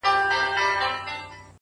زحمت د خوبونو ژوندي ساتونکی دی